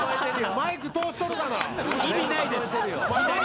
マイク通しとるがな！